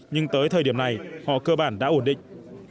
nhưng tới thời điểm này họ cơ bản đã ổn định